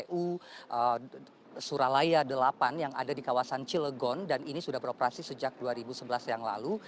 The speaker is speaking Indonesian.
di suralaya delapan yang ada di kawasan cilegon dan ini sudah beroperasi sejak dua ribu sebelas yang lalu